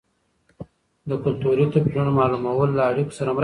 د کلتوري توپیرونو معلومول له اړیکو سره مرسته کوي.